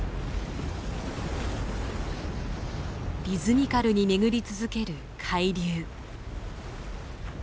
リズミカルに巡り続ける海流。